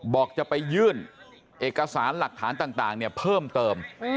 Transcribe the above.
บอกจะไปยื่นเอกสารหลักฐานต่างเพิ่มเติม